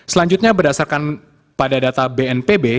selanjutnya berdasarkan pada data bnpb